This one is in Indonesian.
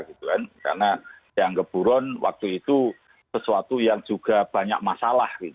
karena yang geburon waktu itu sesuatu yang juga banyak masalah